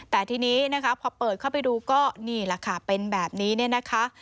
แต่ทีนี้นะคะพอเปิดเข้าไปดูก็นี่แหละค่ะเป็นแบบนี้เนี่ยนะคะ